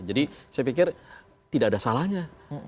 saya pikir tidak ada salahnya